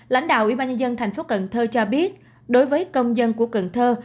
lãnh đạo ubnd tp cần thơ cho biết đối với công dân của cần thơ